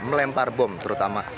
melempar bom terutama